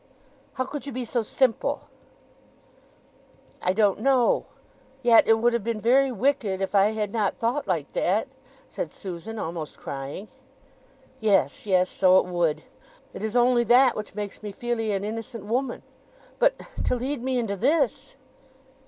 "Tut tut! How could you be so simple?" "I don't know. Yet it would have been very wicked—if I had not thought like that!" said Susan, almost crying. "Yes—yes—so it would. It is only that which makes me feel 'ee an innocent woman. But—to lead me into this!"